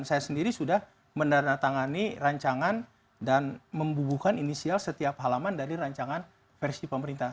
saya sendiri sudah menandatangani rancangan dan membubuhkan inisial setiap halaman dari rancangan versi pemerintah